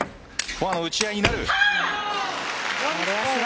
フォアの打ち合いになる。